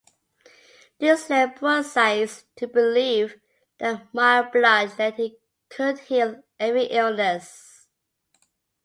This led Broussais to believe that mild blood-letting could heal every illness.